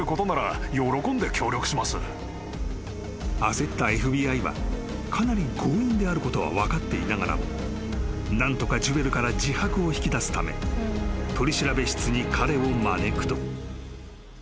［焦ったＦＢＩはかなり強引であることは分かっていながらも何とかジュエルから自白を引き出すため取調室に彼を招くと］